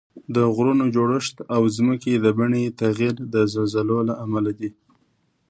د غرونو جوړښت او د ځمکې د بڼې تغییر د زلزلو له امله دي